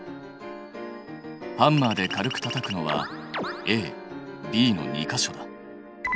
ハンマーで軽くたたくのはＡＢの２か所だ。